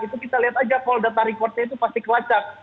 itu kita lihat aja call data recordnya itu pasti kelacak